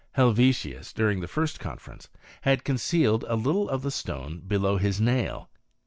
Helvetius, during the first conference, had concealed a little of the stone below his nail.